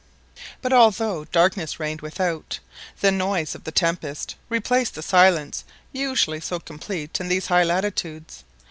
But although darkness reigned without, the noise of the tempest replaced the silence usually so complete in these high latitudes.